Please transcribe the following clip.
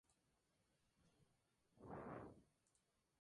La reposición de la energía es un factor importante de limitación en los juegos.